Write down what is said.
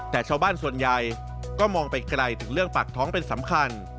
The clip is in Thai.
แต่ชาวบ้านส่วนใหญ่ก็มองไปไกลถึงเรื่องปากท้องเป็นสำคัญ